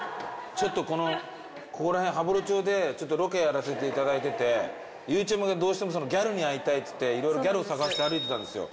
ちょっとこのここら辺羽幌町でちょっとロケやらせていただいててゆうちゃみがどうしてもそのギャルに会いたいって言っていろいろギャルを探して歩いてたんですよ